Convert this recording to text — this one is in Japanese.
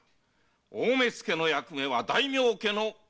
大目付の役目は大名家の監察にある。